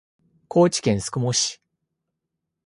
高知県宿毛市